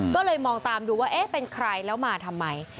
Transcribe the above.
ก็เลยมองตามดูว่าเอ๊ะเป็นใครแล้วมาทำไม